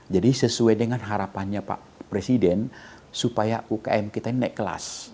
jadi sesuai dengan harapannya pak presiden supaya umkm kita ini naik kelas